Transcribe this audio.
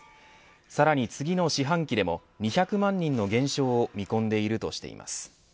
さらに次の四半期でも２００万人の減少を見込んでいるとしています。